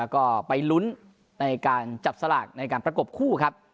ก็ไปลุ้นในการจับสลากในการประกบคู่ครับ